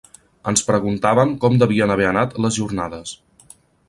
Ens preguntàvem com devien haver anat les jornades.